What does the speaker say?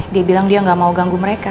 dia bilang dia nggak mau ganggu mereka